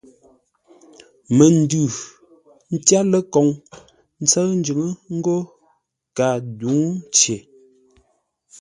Məndʉ tyár ləkoŋ ńtsə́ʉ njʉ́ŋə́ ńgó kədǔŋcei.